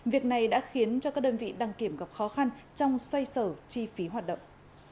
việc này đã khiến cho các đơn vị đăng kiểm gặp khó khăn trong xoay sở chi phí hoạt động